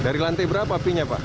dari lantai berapa apinya pak